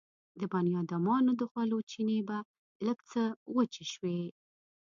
د بنيادمانو د خولو چينې به لږ څه وچې شوې.